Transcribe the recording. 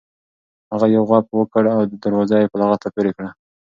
هغه یو غوپ وکړ او دروازه یې په لغته پورې کړه.